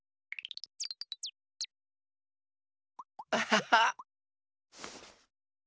アハハッ。